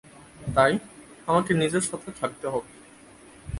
তাই, আমাকে নিজের সাথে থাকতে হবে।